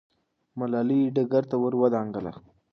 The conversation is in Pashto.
ملالۍ ډګر ته ور دانګله.